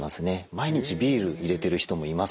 毎日ビール入れてる人もいます